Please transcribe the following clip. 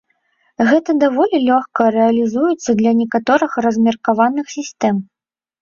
Гэта даволі лёгка рэалізуецца для некаторых размеркаваных сістэм.